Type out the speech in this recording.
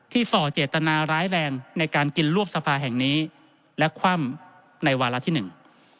ส่อเจตนาร้ายแรงในการกินรวบสภาแห่งนี้และคว่ำในวาระที่หนึ่ง